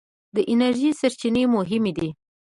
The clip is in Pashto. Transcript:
د انرژۍ سرچینې مهمې دي.